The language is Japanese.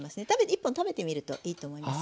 １本食べてみるといいと思います。